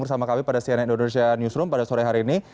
bersama kami pada cnn indonesia newsroom pada sore hari ini